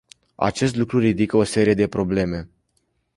Acest lucru ridică o serie de probleme.